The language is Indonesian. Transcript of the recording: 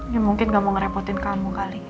ya mungkin gak mau ngerepotin kamu kali